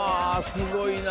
すごいな！